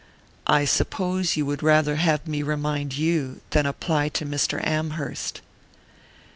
_"I suppose you would rather have me remind you than apply to Mr. Amherst."